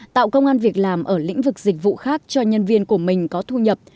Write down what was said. tạo công an việc làm ở lĩnh vực dịch vụ khác cho nhân viên của mình có thu nhập